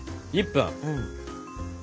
１分。